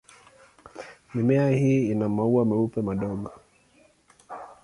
Mimea hii ina maua meupe madogo.